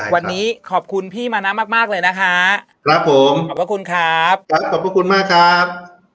วันนี้ขอบคุณพี่มานะมากมากเลยนะคะครับผมขอบพระคุณครับขอบพระคุณมากครับ